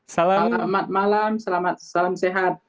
selamat malam selamat malam selamat sehat